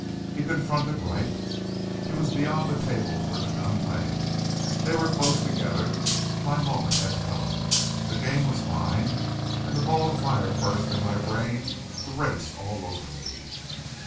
He confronted Wright. He was beyond the table where the gun lay. They were close together. My moment had come. The game was mine and a ball of fire burst in my brain to race all over me.